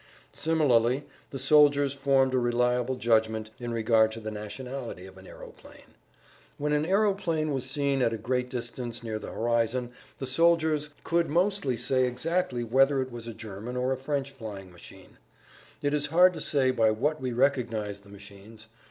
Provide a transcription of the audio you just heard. Similarly the soldiers formed a reliable judgment in regard to the nationality of an aeroplane. When an aeroplane was seen at a great distance near the horizon the soldiers could mostly say exactly whether it was a German or a French flying machine. It is hard to say by what we recognized the machines.